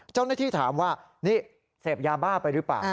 เจ้าหน้าที่ถามว่านี่เสพยาบ้าไปหรือเปล่า